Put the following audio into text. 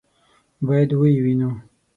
باید ویې وینو.